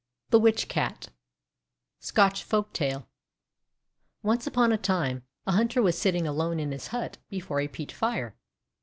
THE WITCH CAT Scotch Folktale ONCE upon a time, a hunter was sitting alone in his hut before a peat fire.